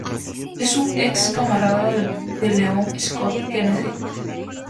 Es un ex camarada de Leon Scott Kennedy.